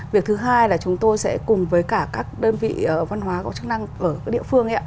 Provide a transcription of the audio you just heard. việc thứ hai là chúng tôi sẽ cùng với cả các đơn vị văn hóa có chức năng ở địa phương ấy ạ